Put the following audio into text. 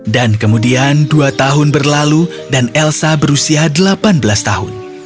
dan kemudian dua tahun berlalu dan elsa berusia delapan belas tahun